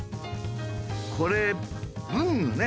これ文具ね。